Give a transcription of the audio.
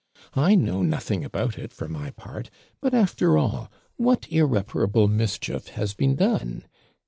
I know nothing about it, for my part; but, after all, what irreparable mischief has been done?